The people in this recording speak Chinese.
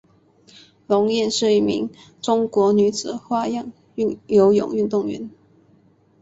龙艳是一名中国女子花样游泳运动员。